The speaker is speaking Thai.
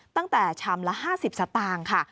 ตั้งแต่ชามละ๕๐สตางค์ค่ะ